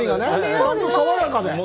ちゃんと爽やかで。